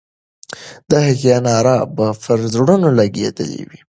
د هغې ناره به پر زړونو لګېدلې وي.